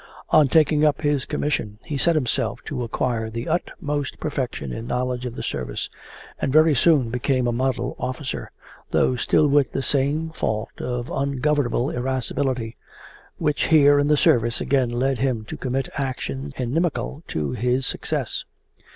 On taking up his commission he set himself to acquire the utmost perfection in knowledge of the service, and very soon became a model officer, though still with the same fault of ungovernable irascibility, which here in the service again led him to commit actions inimical to his success.